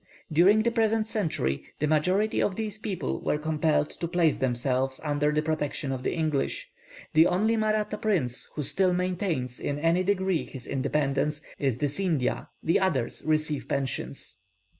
During the present century, the majority of these people were compelled to place themselves under the protection of the English. The only Mahratta prince who still maintains, in any degree, his independence, is the Scindiah; the others receive pensions.